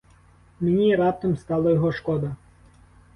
Мені раптом стало його шкода.